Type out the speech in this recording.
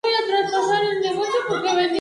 Todas ellas tienen su sede en la capital, Lima.